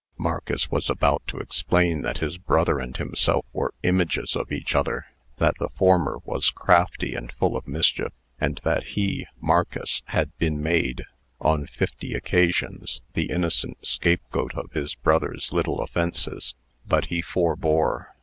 Marcus was about to explain, that his brother and himself were images of each other; that the former was crafty, and full of mischief, and that he (Marcus) had been made, on fifty occasions, the innocent scapegoat of his brother's little offences. But he forbore.